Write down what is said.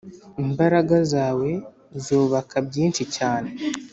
imbaraga zawe zubaka byinshi cyane